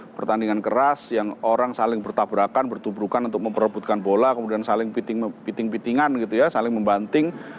pertandingan keras yang orang saling bertabrakan bertubrukan untuk memperebutkan bola kemudian saling piting pitingan gitu ya saling membanting